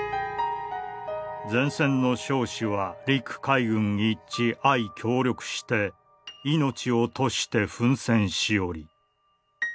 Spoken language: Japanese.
「前線の将士は陸海軍一致相協力して命を賭して奮戦し居り。